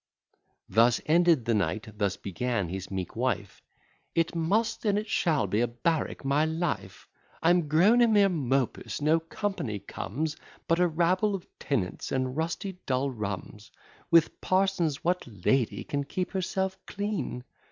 Thus ended the knight; thus began his meek wife: "It must, and it shall be a barrack, my life. I'm grown a mere mopus; no company comes But a rabble of tenants, and rusty dull rums. With parsons what lady can keep herself clean?